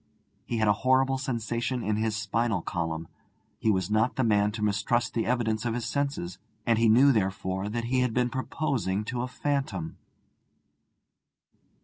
He had a horrible sensation in his spinal column. He was not the man to mistrust the evidence of his senses, and he knew, therefore, that he had been proposing to a phantom.